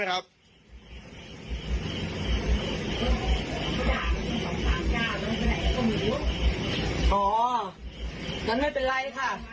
มันออกมานั้นด้วย